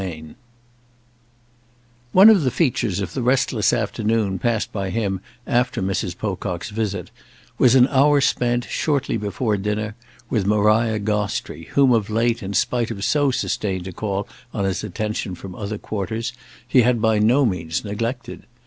II One of the features of the restless afternoon passed by him after Mrs. Pocock's visit was an hour spent, shortly before dinner, with Maria Gostrey, whom of late, in spite of so sustained a call on his attention from other quarters, he had by no means neglected.